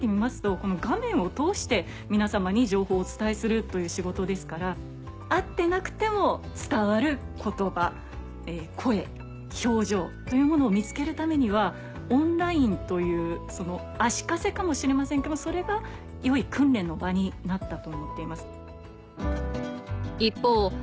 この画面を通して皆様に情報をお伝えするという仕事ですから会ってなくても伝わる言葉声表情というものを見つけるためにはオンラインという足かせかもしれませんけどそれが良い訓練の場になったと思っています。